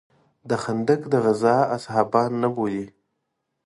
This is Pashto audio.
د خندق د غزا اصحابان نه بولې.